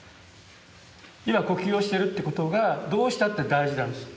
今呼吸をしてるってことがどうしたって大事なんです。